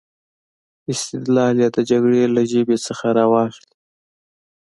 استدلال یې د جګړې له ژبې څخه را واخلي.